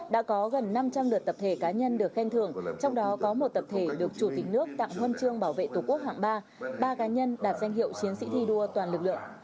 đã có gần năm trăm linh lượt tập thể cá nhân được khen thưởng trong đó có một tập thể được chủ tịch nước tặng huân chương bảo vệ tổ quốc hạng ba ba cá nhân đạt danh hiệu chiến sĩ thi đua toàn lực lượng